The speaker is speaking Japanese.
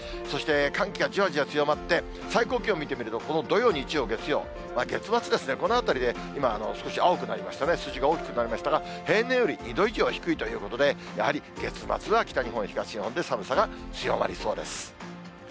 そして寒気がじわじわ強まって、最高気温見てみると、この土曜、日曜、月曜、月末ですね、このあたりで今、少し青くなりましたね、数字が大きくなりましたが、平年より２度以上低いということで、やはり月末は北日本、東日本で寒さが強まりそうです。